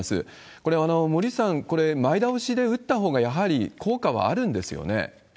これは、森内さん、これ、前倒しで打ったほうがやはり効果はあるんですよね？